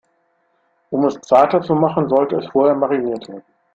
Um es zarter zu machen, sollte es vorher mariniert werden.